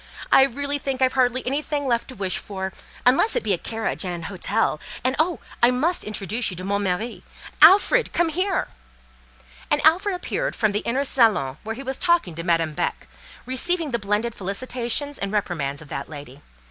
I really think I've hardly anything left to wish for—unless it be a carriage and an hotel, and, oh! I—must introduce you to 'mon mari.' Alfred, come here!" And Alfred appeared from the inner salon, where he was talking to Madame Beck, receiving the blended felicitations and reprimands of that lady.